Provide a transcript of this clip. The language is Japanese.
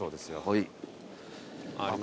はい。